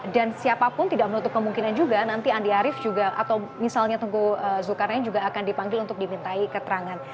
dan siapapun tidak menutup kemungkinan juga nanti andi arief juga atau misalnya tunggu zulkarnaya juga akan dipanggil untuk dimintai keterangan